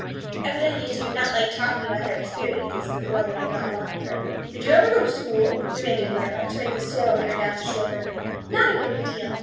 Evidently she did not like talking about her experiences in a world that had not wanted her. "Did you ever go to school?" demanded Marilla, turning the sorrel mare down the shore road. "Not a great deal.